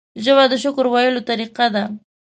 ژبه د شکر ویلو طریقه ده